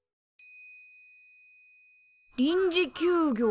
臨時休業。